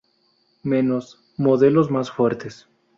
Menos, modelos más fuertes.